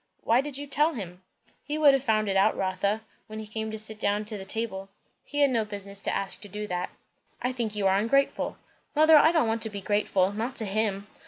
"Why did you tell him?" "He would have found it out, Rotha, when he came to sit down to the table." "He had no business to ask to do that." "I think you are ungrateful." "Mother, I don't want to be grateful. Not to him."